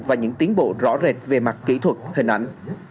và những tiến bộ rõ rệt về mặt kỹ thuật hình ảnh